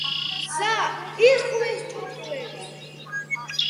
გზა იხვის ჭუჭულებს!